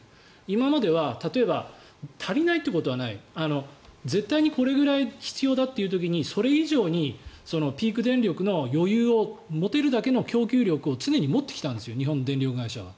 今までは、例えば足りないってことはない絶対にこれくらい必要だって時にそれ以上にピーク電力の余裕を持てるだけの供給力を常に持ってきたんですよ日本の電力会社は。